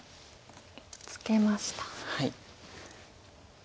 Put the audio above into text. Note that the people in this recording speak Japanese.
ツケました。